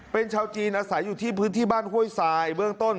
เป็นชาวจีนอาศัยอยู่ที่พื้นที่บ้านห้วยทรายเบื้องต้น